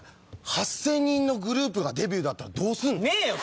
８０００人のグループがデビューだったらどうすんの？ねえよ！